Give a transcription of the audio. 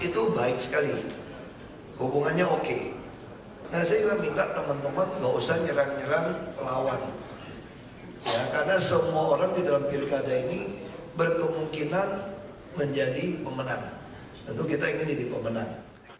tentu kita ini jadi pemenang